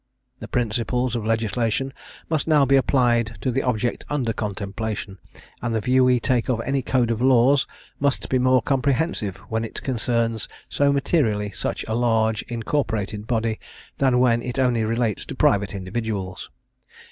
The principles of legislation must now be applied to the object under contemplation; and the view we take of any code of laws must be more comprehensive when it concerns so materially such a large incorporated body, than when it only relates to private individuals.